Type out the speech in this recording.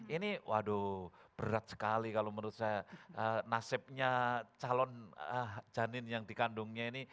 ini waduh berat sekali kalau menurut saya nasibnya calon janin yang dikandungnya ini